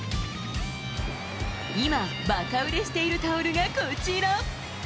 今、ばか売れしているタオルがこちら。